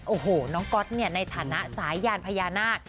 โอ้โหน้องก๊อตในฐานะสายยานพญานาค